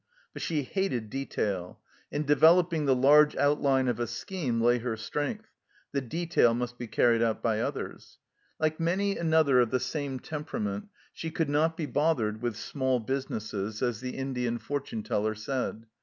But she hated detail ; in developing the large outline of a scheme lay her strength the detail must be carried out by others. Like many another of the same temperament, she " could not be bothered with small businesses," as the Indian fortune teller said.